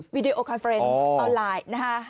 วิดีโอคอนเฟรนด์ออนไลน์นะคะ